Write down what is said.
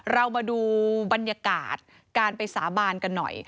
เรามาดูบรรยากาศการไปสาบานกันหน่อย